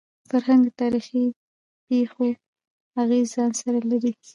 فرهنګ د تاریخي پېښو اغېز ځان سره لري.